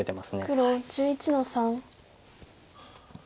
黒１１の三。